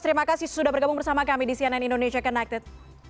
terima kasih sudah bergabung bersama kami di cnn indonesia connected